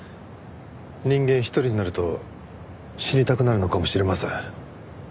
人間一人になると死にたくなるのかもしれません。